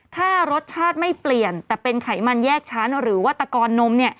ถ้ารสชาติไม่เปลี่ยนแต่เป็นไขมันแยกชั้นหรือว่าตะกอนนม